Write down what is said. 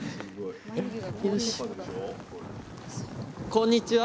こんにちは！